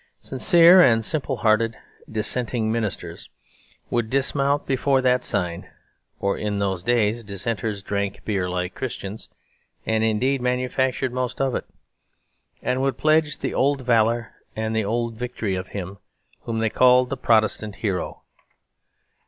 Sincere and simple hearted Dissenting ministers would dismount before that sign (for in those days Dissenters drank beer like Christians, and indeed manufactured most of it) and would pledge the old valour and the old victory of him whom they called the Protestant Hero.